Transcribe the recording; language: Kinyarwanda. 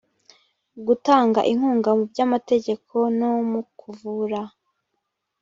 gutanga inkunga mu by’ amategeko no mu kuvura.